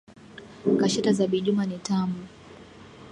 Kashata za bijuma ni tamu